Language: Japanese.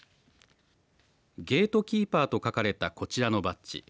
ゲートキーパーと書かれたこちらのバッジ。